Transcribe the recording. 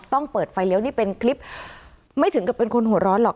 ต้องเปิดไฟเลี้ยวนี่เป็นคลิปไม่ถึงกับเป็นคนหัวร้อนหรอก